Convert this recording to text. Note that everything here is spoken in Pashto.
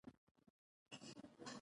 د هغه دا څېړنه خورا د زده کړې وړ ده.